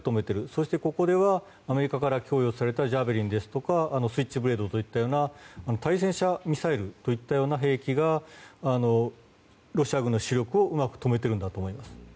そして、ここではアメリカから供与されたジャベリンですとかスイッチブレードといったような対戦車ミサイルといった兵器がロシア軍の主力をうまく止めているんだと思います。